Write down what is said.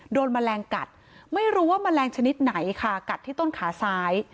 แมลงกัดไม่รู้ว่าแมลงชนิดไหนค่ะกัดที่ต้นขาซ้าย